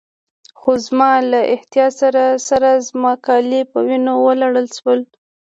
خو زما له احتیاط سره سره زما کالي په وینو ولړل شول.